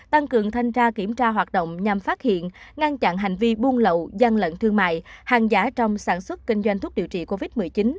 tăng cường thanh tra kiểm tra hoạt động nhằm phát hiện ngăn chặn hành vi buôn lậu gian lận thương mại hàng giả trong sản xuất kinh doanh thuốc điều trị covid một mươi chín